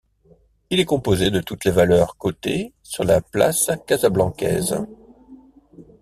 Il est composé de toutes les valeurs cotées sur la place casablancaise.